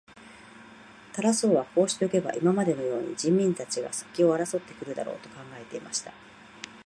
タラス王はこうしておけば、今までのように人民たちが先を争って来るだろう、と考えていました。